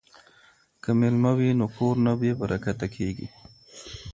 که میلمه وي نو کور نه بې برکته کیږي.